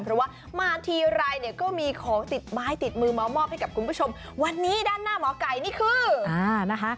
เพราะว่ามาทีไรเนี่ยก็มีของติดไม้ติดมือมามอบให้กับคุณผู้ชมวันนี้ด้านหน้าหมอไก่นี่คืออ่านะคะ